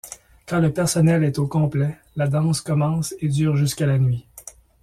Quand le personnel est au complet la danse commence et dure jusqu'à la nuit.